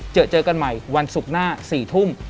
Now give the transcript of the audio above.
เจอเจอกันใหม่วันศุกร์หน้า๔ทุ่ม